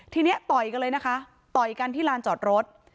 ทีนี้ต่อยกันเลยนะคะต่อยกันที่ลานจอดรถ